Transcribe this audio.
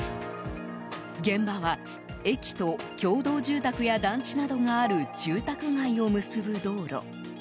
現場は、駅と共同住宅や団地などがある住宅街を結ぶ道路。